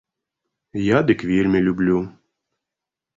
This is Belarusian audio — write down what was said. Я дык вельмі люблю.